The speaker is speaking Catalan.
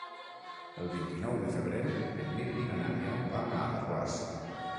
El vint-i-nou de febrer en Mirt i na Nàdia van a Alaquàs.